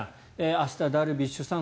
明日、ダルビッシュさん